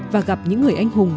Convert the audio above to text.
và gặp những người anh hùng